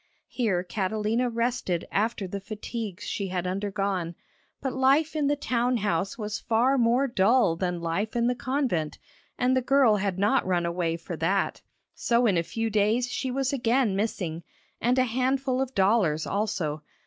Here Catalina rested after the fatigues she had undergone, but life in the town house was far more dull than life in the convent, and the girl had not run away for that! So in a few days she was again missing, and a handful of dollars also.